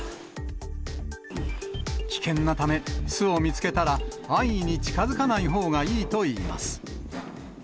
危険なため、巣を見つけたら安易に近づかないほうがいいといいます。